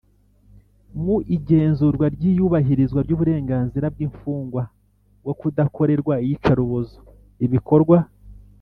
Mu igenzura ry iyubahirizwa ry uburenganzira bw imfungwa bwo kudakorerwa iyicarubozo ibikorwa